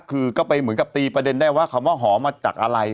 คือก็ไปเหมือนกับตีประเด็นได้ว่าคำว่าหอมมาจากอะไร